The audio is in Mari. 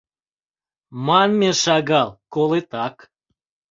Манме шагал — колетак!